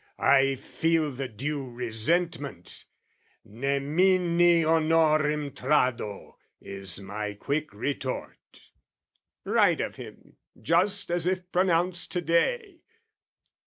"I feel the due resentment, nemini "Honorem trado, is my quick retort." Right of Him, just as if pronounced to day!